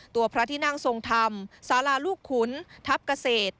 ตัวพระที่นั่งทรงธรรมสาราลูกขุนทัพเกษตร